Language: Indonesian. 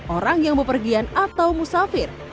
orang yang bepergian atau musafir